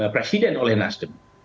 presiden oleh nasdem